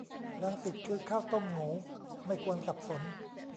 รังสิตคือข้าวต้มโหงว ไม่ควรสับสน